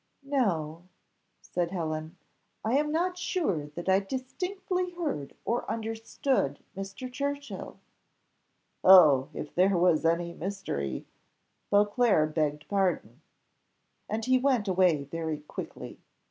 "No, " said Helen, "I am not sure that I distinctly heard or understood Mr. Churchill." "Oh, if there was any mystery!" Beauclerc begged pardon. And he went away very quickly.